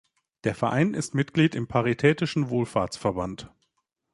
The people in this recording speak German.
Der Verein ist Mitglied im Paritätischen Wohlfahrtsverband.